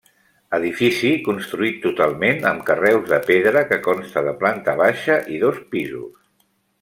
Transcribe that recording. Edifici construït totalment amb carreus de pedra, que consta de planta baixa i dos pisos.